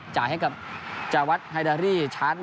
จ่ายให้กับจาวัตรไฮดารี่ชาร์จ